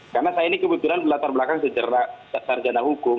karena saya ini kebetulan latar belakang sejarah sarjana hukum